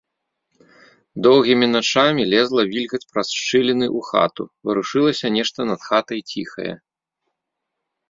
Доўгімі начамі лезла вільгаць праз шчыліны ў хату, варушылася нешта над хатай ціхае.